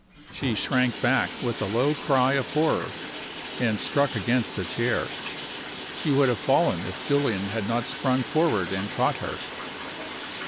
She shrank back with a low cry of horror, and struck against a chair. She would have fallen if Julian had not sprung forward and caught her.